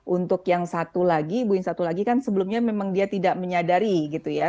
untuk yang satu lagi ibu yang satu lagi kan sebelumnya memang dia tidak menyadari gitu ya